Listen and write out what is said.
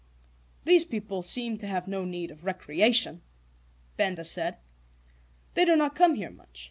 "These people seem to have no need of recreation," Benda said. "They do not come here much.